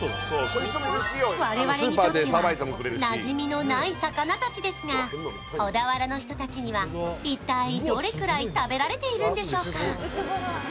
我々にとってはなじみのない魚たちですが、小田原の人たちには一体どれくらい食べられているんでしょうか。